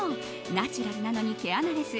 ナチュラルなのに毛穴レス。